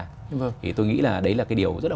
thì tôi nghĩ là đấy là cái điều rất là